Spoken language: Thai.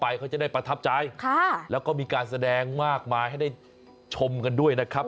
เขาจะได้ประทับใจแล้วก็มีการแสดงมากมายให้ได้ชมกันด้วยนะครับ